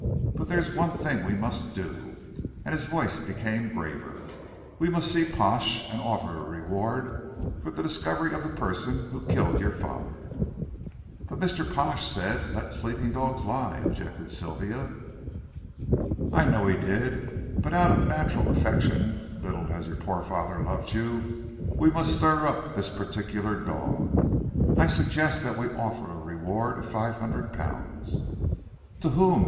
"But there's one thing we must do" and his voice became graver "we must see Pash and offer a reward for the discovery of the person who killed your father." "But Mr. Pash said let sleeping dogs lie," objected Sylvia. "I know he did, but out of natural affection, little as your poor father loved you, we must stir up this particular dog. I suggest that we offer a reward of five hundred pounds." "To whom?"